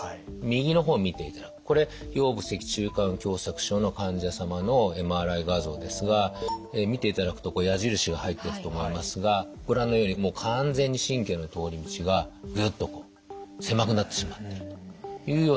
右の方見ていただくとこれ腰部脊柱管狭窄症の患者様のＭＲＩ画像ですが見ていただくと矢印が入ってると思いますがご覧のようにもう完全に神経の通り道がぎゅっとこう狭くなってしまってるというような画像です。